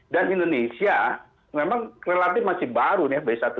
dan indonesia memang relatif masih baru b satu tujuh belas